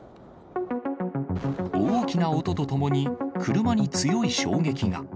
大きな音とともに、車に強い衝撃が。